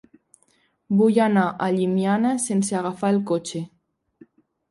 Vull anar a Llimiana sense agafar el cotxe.